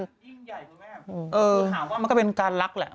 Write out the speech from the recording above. ยิ่งใหญ่คุณแม่เออถามว่ามันก็เป็นการรักแหละ